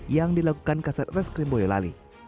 yang dilakukan kaset reskrim boyolali